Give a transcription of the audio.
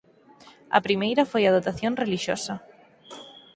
A primeira foi a dotación relixiosa.